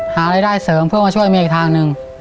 หารายได้เสริมเพื่อมาช่วยเมียอีกทางหนึ่ง